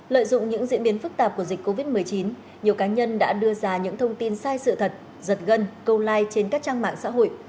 lợi dụng những diễn biến phức tạp của dịch covid một mươi chín nhiều cá nhân đã đưa ra những thông tin sai sự thật giật gân câu like trên các trang mạng xã hội